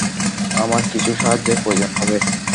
আমার কিছু সাহায্যর প্রয়োজন হবে।